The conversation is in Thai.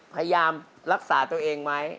พยายามรักษาตัวเองไหม